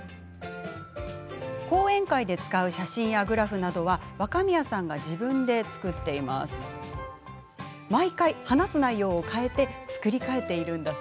講演会で使う写真やグラフなどは若宮さんが自分で作成しています。